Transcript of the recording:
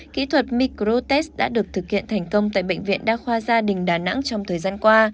kỹ thuật microte đã được thực hiện thành công tại bệnh viện đa khoa gia đình đà nẵng trong thời gian qua